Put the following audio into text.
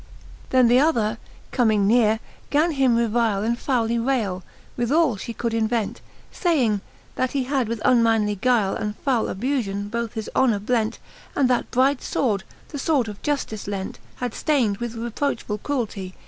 XL. Then th'other comming neare, gan him revile, And fouly rayle, with all fhe could invent j Saying, that he had with unmanly guile, And foule abufion, both his honour blent, And that bright fword, the fword of laflice lent, Had (tayned with reprochfuU crueltie.